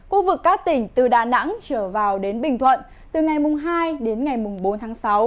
khu vực các tỉnh từ đà nẵng trở vào đến bình thuận từ ngày hai đến ngày bốn tháng sáu